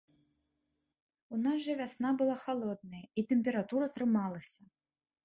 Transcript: У нас жа вясна была халодная, і тэмпература трымалася.